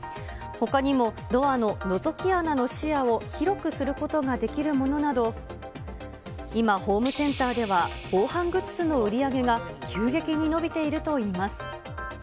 ほかにも、ドアののぞき穴の視野を広くすることができるものなど、今、ホームセンターでは、防犯グッズの売り上げが急激に伸びているといいます。